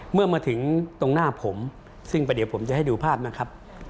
เมื่อมาถึงตรงหน้าผมซึ่งเดี๋ยวผมจะให้ดูภาพนะครับ